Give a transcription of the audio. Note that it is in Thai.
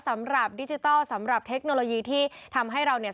สำหรับดิจิทัลสำหรับเทคโนโลยีที่ทำให้เราเนี่ย